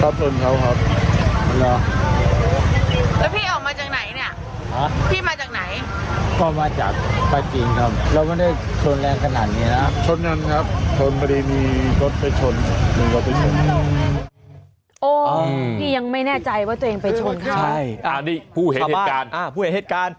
พี่ก็เธอชนนึงก็เธอชนหันมันตกเลยนะ